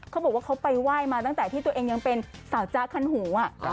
เขาบอกว่าเขาไปไหว้มาตั้งแต่ที่ตัวเองยังเป็นสาวจ๊ะคันหู